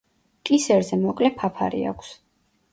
კისერზე მოკლე ფაფარი აქვს.